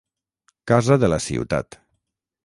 Casa de la Ciutat.